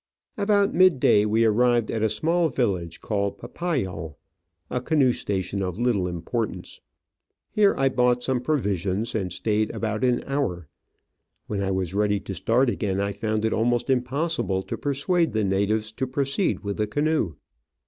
About mid day we arrived at a small village called Papayal, a canoe station of little importance. Here I bought some provisions, and stayed about an hour. When I was ready to start again I found it almost impossible to persuade the natives to proceed with the canoe.